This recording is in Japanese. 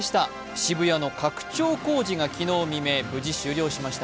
渋谷の拡張工事が昨日未明、無事終了しました。